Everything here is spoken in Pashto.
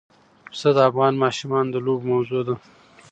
پسه د افغان ماشومانو د لوبو موضوع ده.